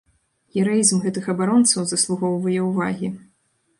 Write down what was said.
Гераізм гэтых абаронцаў заслугоўвае ўвагі.